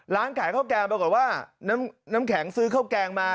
ร้านขายข้าวแกงปรากฏว่าน้ำแข็งซื้อข้าวแกงมา